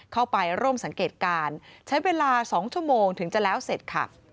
เข้าไปร่วมสังเกตการณ์ใช้เวลา๒ชั่วโมงถึงจะแล้วเสร็จค่ะ